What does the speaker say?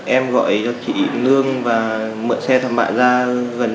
em gọi cho chị lương và mượn xe tham mạng ra